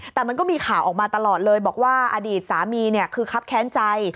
แต่มันก็มีข่าวออกมาตลอดเลยบอกว่าอดีตสามีคือคับแค้นใจ